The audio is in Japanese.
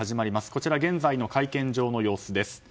こちらは現在の会見場の様子です。